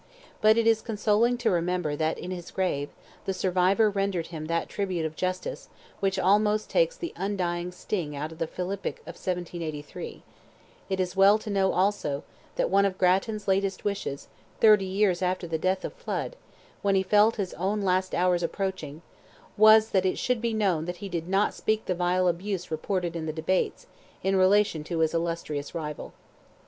But it is consoling to remember that in his grave, the survivor rendered him that tribute of justice which almost takes the undying sting out of the philippic of 1783; it is well to know, also, that one of Grattan's latest wishes, thirty years after the death of Flood, when he felt his own last hours approaching, was, that it should be known that he "did not speak the vile abuse reported in the Debates" in relation to his illustrious rival.